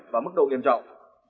và mức độ nghiêm trọng